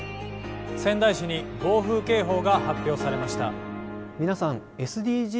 仙台市に暴風警報が発表されました。